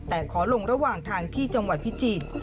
แต่ขอลงระหว่างทางที่จังหวัดพิจิตร